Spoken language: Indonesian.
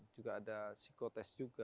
juga ada psikotest juga